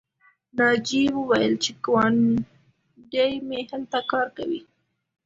ناجیې وویل چې ګاونډۍ مې هلته کار کوي